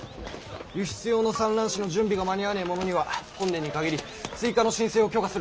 輸出用の蚕卵紙の準備が間に合わねえ者には本年に限り追加の申請を許可すると府県に進達してくれ。